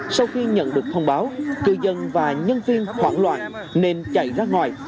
sau khi nhận được thông báo cư dân và nhân viên hoảng loạn nên chạy ra ngoài